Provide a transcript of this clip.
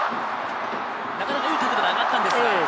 なかなかいい角度で上がったんですが。